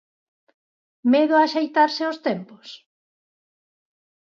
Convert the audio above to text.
Medo a axeitarse aos tempos?